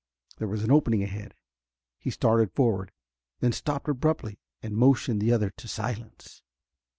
There was an opening ahead; he started forward, then stopped abruptly and motioned the other to silence.